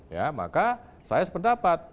ya maka saya sependapat